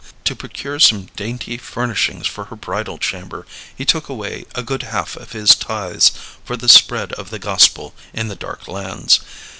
To procure some dainty furnishings for her bridal chamber he took away a good half of his tithes for the spread of the gospel in the dark lands.